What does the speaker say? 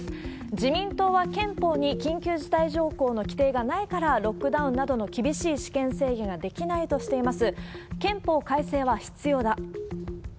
自民党は憲法に緊急事態条項の規定がないから、ロックダウンなどの厳しい私権制限ができないとしています。